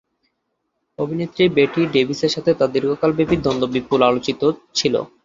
অভিনেত্রী বেটি ডেভিসের সাথে তার দীর্ঘকাল ব্যাপী দ্বন্দ্ব বিপুল আলোচিত ছিল।